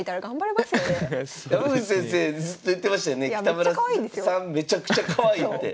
めちゃくちゃかわいいって。